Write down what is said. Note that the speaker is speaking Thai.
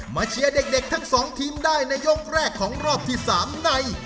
เชียร์เด็กทั้งสองทีมได้ในยกแรกของรอบที่๓ใน